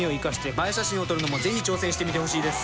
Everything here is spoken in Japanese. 映え写真を撮るのも是非挑戦してみてほしいです。